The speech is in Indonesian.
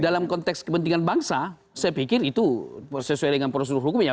dalam konteks kepentingan bangsa saya pikir itu sesuai dengan prosedur hukumnya